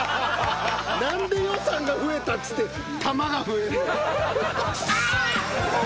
何で予算が増えたっつって玉が増えるんだ？